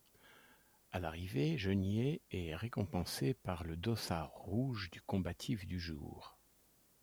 À l'arrivée, Geniez est récompensé par le dossard rouge du combatif du jour.